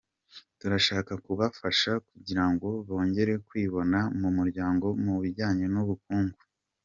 Turashaka kubafasha kugira ngo bongere kwibona mu muryango mu bijyanye n’ubukungu.